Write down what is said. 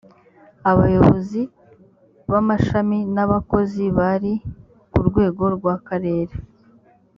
abayobozi b’amashami n’abakozi bari ku rwego rw’akarere